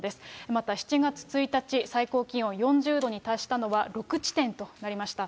また７月１日、最高気温４０度に達したのは６地点となりました。